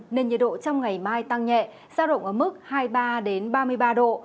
nên nhiệt độ trong ngày mai tăng nhẹ giao động ở mức hai mươi ba ba mươi ba độ